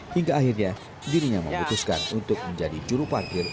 hingga akhirnya dirinya memutuskan untuk menjadi juru parkir